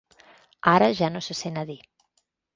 Ara ja no se sent a dir.